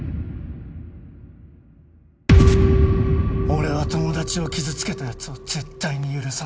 俺は友達を傷つけた奴を絶対に許さない。